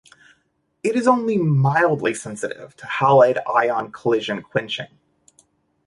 It is only mildly sensitive to halide ion collision quenching.